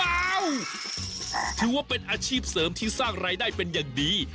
ถือว่าเป็นอาชีพเสริมที่สร้างรายได้เป็นอย่างดี